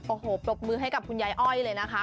โอ้โหปรบมือให้กับคุณยายอ้อยเลยนะคะ